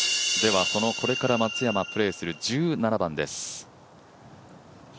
そのこれから松山、プレーする１７番です。